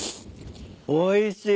おいしい。